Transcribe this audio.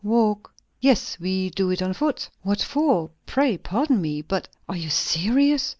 "Walk!" "Yes. We do it on foot." "What for? Pray, pardon me! But are you serious?"